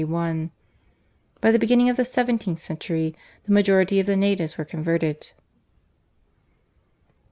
By the beginning of the seventeenth century the majority of the natives were converted.